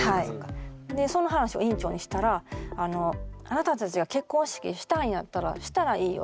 でその話を院長にしたら「あなたたちが結婚式したいんやったらしたらいいよ」